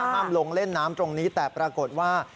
ห้ามลงเล่นน้ำตรงนี้แต่ปรากฏว่า